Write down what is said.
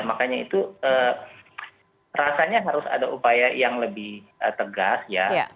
makanya itu rasanya harus ada upaya yang lebih tegas ya